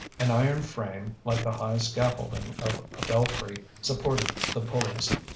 An iron frame, like the high scaffolding of a belfry, supported the pulleys.